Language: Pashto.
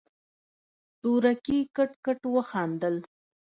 تورکي کټ کټ وخندل.